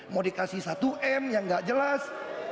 mau dikasih satu m yang nggak jelas